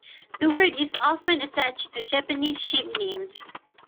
The word is often attached to Japanese ship names.